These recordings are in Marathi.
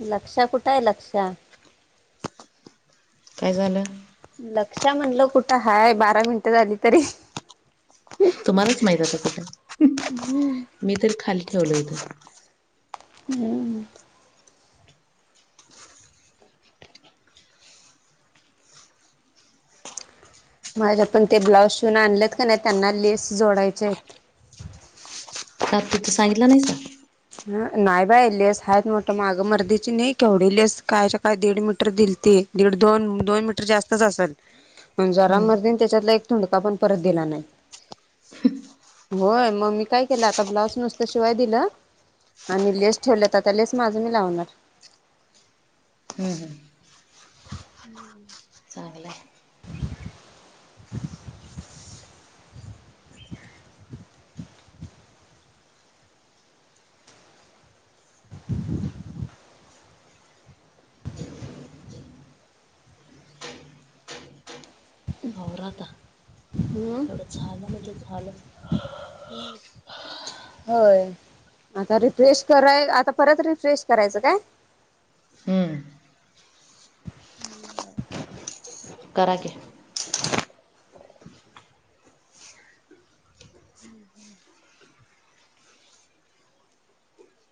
लक्ष्या कुठं आहे लक्ष्या काय झालं? लक्ष्या म्हणलं कुठं हाय बारा मिनिटं झाली तरी तुम्हालाच माहित आता कुठ मी तर खाली ठेवल होतं. हम्म. माझ्या पण ते ब्लाऊज शिवून आणलेत का नाही त्यांना लेस जोडायचे आहेत. र ति तर सांगितला नाहीस का. नाही बाय लेस हाच मोठ मागं मर्दीची नाही केवढी लेस कायच्या काय दीड मीटर दिलती. दीड दोन दोन मीटर जास्तच असेल. पण जरा हम्म मर्दिने त्याच्यातला एक तुंडका पण परत दिला नाही. ह. होय मग मी काय केलं आता ब्लाऊज नुसत शिवाय दिलं. आणि लेस ठेवल्यात तर त्या लेस माझ मी लावणार. हम् हम्. हम्म. चांगलंय. [unintelligible] [unintelligible] आवरा आता मग. एवढं झालं म्हणजे झाल. हम्. होय आता रिफ्रेश कराय आता परत रिफ्रेश करायचं काय. हम्म करा कि. हम् हम्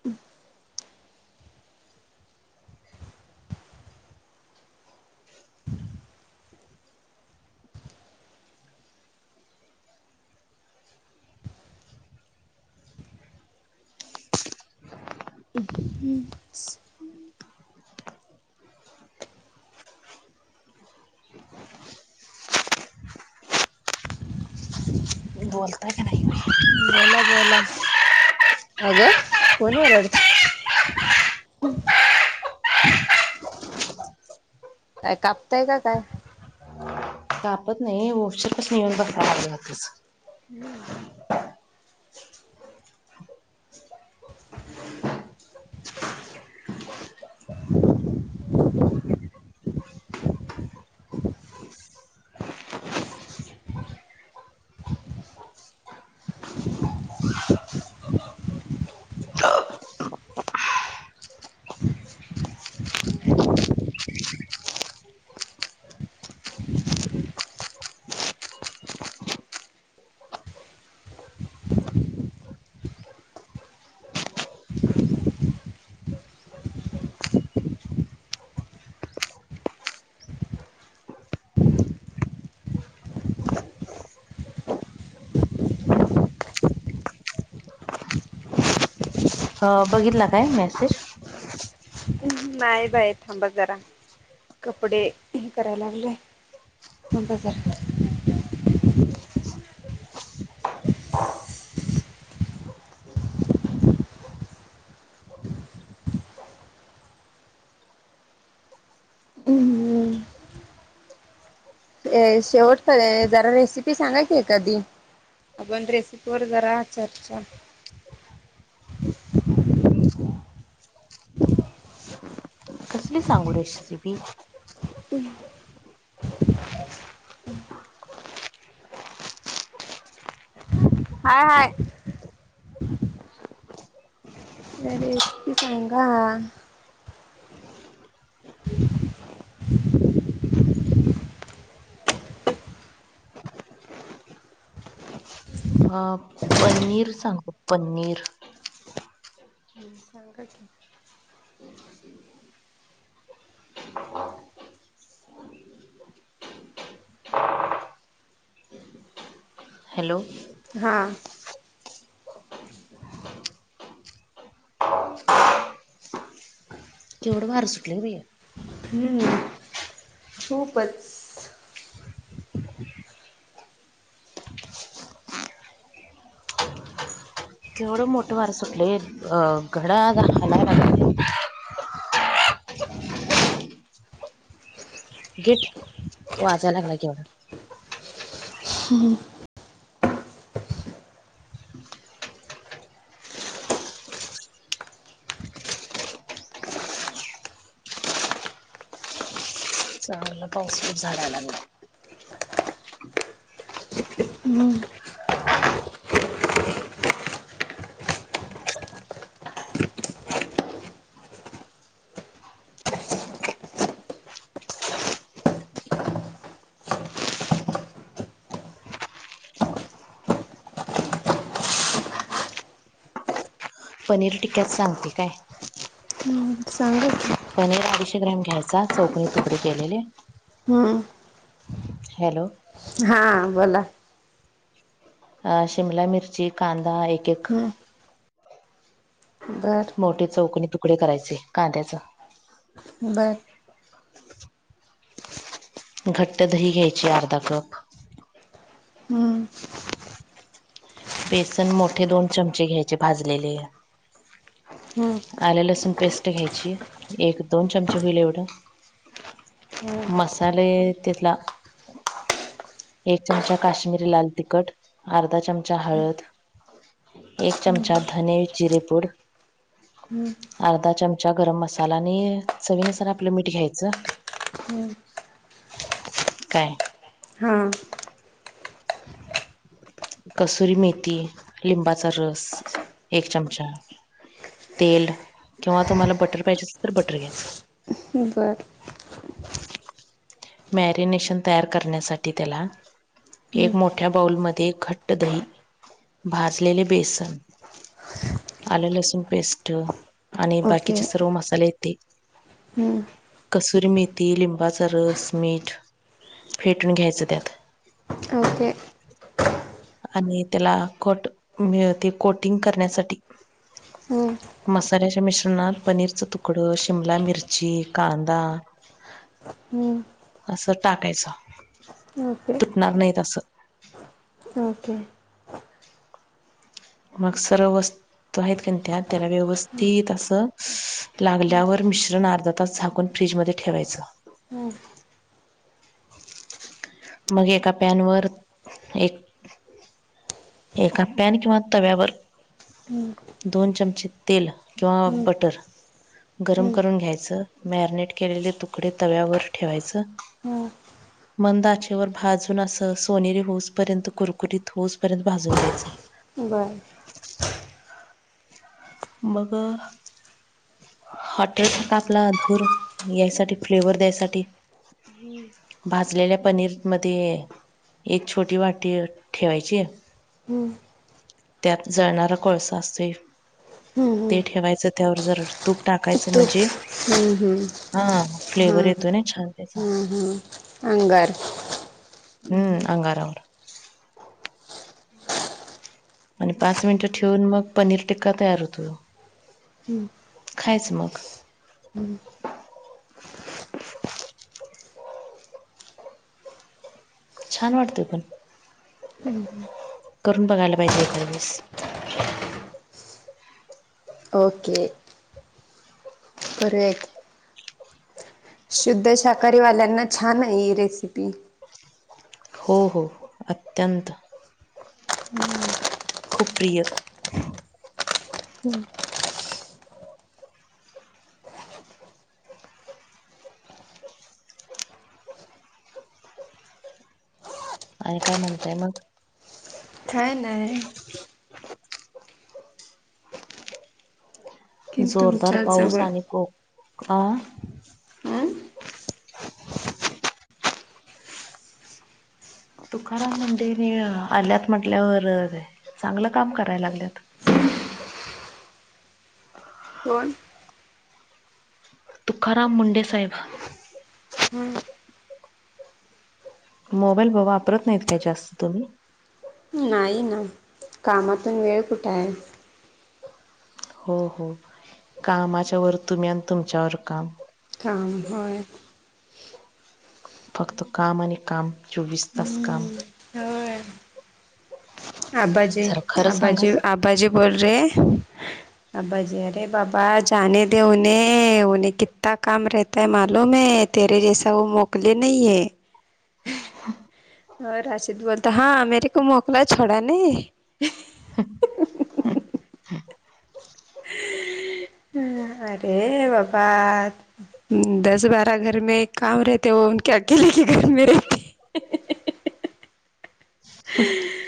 हम्. हम. बोलताय की नाही. बोला बोला. अगं कोण ओरडत? काय कापताय काय? कापत नाही उशीर पासुन येन बघता हम्म. अ बघितला काय मेसेज? नाही बाय थांबा जरा कपडे हे करायला लागले. गप बस जरा. हम्म शेवट कर जरा रेसिपी सांगा की एखादी? आपण रेसिपी वर जरा चर्चा कसली सांगू रेशसिपी हम. हाय हाय रेसिपी सांगा. ह पनीर सांगू पनीर हम्म सांगा की [unintelligible] [unintelligible] हॅलो हां केवढं वार सुटलय ग बया हम्म खूपच केवढं मोठं वार सुटलय अ घड्याळ हालाय लागलंय. गेट वाजयला लागलाय केवढा हूं हम्म चांगलं पाऊस खूप झालाय लागला हम्म - पनीर टिक्क्यात सांगते काय? हम्म सांगा की पनीर अडीचशे ग्रॅम घ्यायचा चौकनी तुकडे केलेले हं [inaudible] हॅलो हा बोला अ शिमला मिरची कांदा एक एक हम्म बर मोठे चौकणी तुकडे करायचे कांद्याच बरं घट्ट दही घ्यायची अर्धा कप हूं बेसन मोठे दोन चमचे घ्यायचे भाजलेले. हम्म आल लसूण पेस्ट घ्यायची एक दोन चमचे होईल एवढं मसाले तेथला एक चमचा काश्मीरी लाल तिखट अर्धा चम चा हळद एक चमचा धने जिरेपूड अर्धा चमचा गरम मसाला आणि चवीनुसार आपलं मीठ घ्यायचं. हम्म काय? हा [unintelligible] कसुरी मेथी लिंबाचा रस एक चमचा तेल किंवा तुम्हाला बटर पाहिजे असल तर बटर घ्यायचं. बरं मॅरिनेशन तयार करण्यासाठी त्याला एक मोठ्या बाऊलमध्ये घट्ट दही भाजलेले बेसन आलं लसूण पेस्ट आणि बाकीचे सर्व मसालेत ते हूं कसुरी मेथी लिंबाचा रस मीठ फेटून घ्यायचं त्यात ओके आणि त्याला कोट मिळ ते कोटिंग करण्यासाठी मसाल्याच्या मिश्रणात पनीरच तुकडं शिमला मिरची कांदा [inaudible] हम्म असं टाकायच. तुटणार नाहीत अस. ओके. मग सर्व वस्तू तो आहेत का त्यात त्याला व्यवस्थित असं, लागल्यावर मिश्रण अर्धा तास झाकून फ्रीजमध्ये ठेवायच. हो. मग एका पॅनवर वर एक एका पॅन किंवा तव्यावर हम्म दोन चमचे तेल किंवा बटर गरम करून घ्यायचं. मॅरिनेट केलेले तुकडे तव्यावर ठेवायचं. हम. मंद आचेवर भाजून अस सोनेरी होऊस पर्यंत कुरकुरीत होऊस परत भाजून घ्यायचं. बरं. मग हॉटेल सारखा आपला धूर यायसाठी फ्लेवर द्यायसाठी भाजलेल्या पनीर मध्ये एक छोटी वाटी ठेवायची. हम्म. त्यात जळणारा कोळसा असतोय ते ठेवायचं. त्यावर जर तूप टाकायचं तूप म्हणजे हा फ्लेवर हां येतोय ना छान त्याचा. हां अंगार हम्म अंगारा वर आणि पाच मिनिटं ठेवून मग पनीर टिक्का तयार होतो. हम्म खायच मग. छान वाटत पण हम्म करून बघायला पाहिजे एकाद दिवस. ओके. करूया की. शुद्ध शाकाहारी वाल्यांना छान आहे ही रेसिपी. हो हो अत्यंत. खूप प्रिय. [unintelligible] आणि काय म्हणताय मग? काय नाही. की जोरदार तुमच्या पाऊस जवळ आणि को--फा हं तुकाराम मुंडे आल्यात म्हटल्यावर चांगलं काम करायला लागल्यात. कोण? तुकाराम मुंडे साहेब. हम्म. मोबाईल वापरत नाहीत काय जास्त तुम्ही? नाही ना. कामातून वेळ कुठे आहे. हो हो कामाच्या वर तुम्ही आणि तुमच्यावर काम काम होय फक्त काम आणि काम चोवीस तास काम होय आबाजी जरा खरं सांगा आबाजी आबाजी बोल रहे अबाजी अरे बाबा जाने दे उन्हे, उन्हे कित्ता काम रह तय मालूम हे तेरे जैसा वो मोकले नहीं है. हो राशिद बोलता हा मेरेको मोकला छोडा नही. [unintelligible] हम अरे बाबा दस बारा घर मे काम रहते वह उनके अकेले के घर मे [unintelligible]